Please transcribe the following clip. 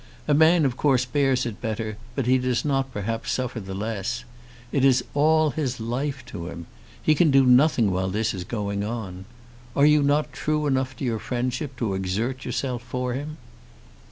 A man of course bears it better, but he does not perhaps suffer the less. It is all his life to him. He can do nothing while this is going on. Are you not true enough to your friendship to exert yourself for him?"